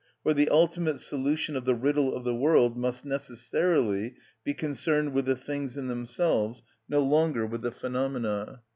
For the ultimate solution of the riddle of the world must necessarily be concerned with the things in themselves, no longer with the phenomena.